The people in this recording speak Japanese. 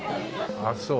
ああそう。